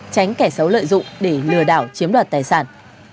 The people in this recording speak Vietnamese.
tránh kẻ xấu lợi dụng để lừa đảo chiếm đoạt tài sản